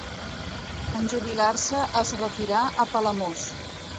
En jubilar-se es retirà a Palamós.